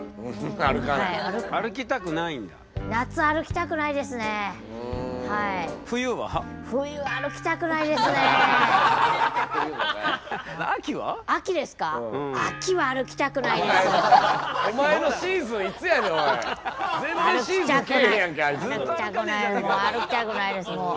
歩きたくない歩きたくないですもう。